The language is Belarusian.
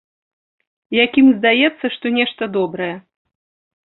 Як ім здаецца, што нешта добрае.